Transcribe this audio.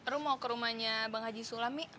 lo mau ke rumahnya bang haji sula mi